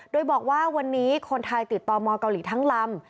โดยบอกว่าวันนี้คนไทยติดต่อมเกาหลีทั้งลำ